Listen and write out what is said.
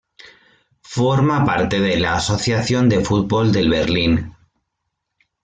Forma parte de la Asociación de Fútbol del Berlín.